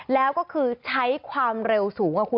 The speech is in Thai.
แล้วก็คือใช้ความเร็วสูงคุณ